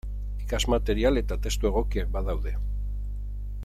Ikasmaterial eta testu egokiak badaude.